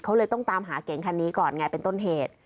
เขาเลยต้องตามหาเก๋งคันนี้ก่อนไงเป็นต้นเหตุ